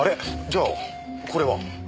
じゃあこれは？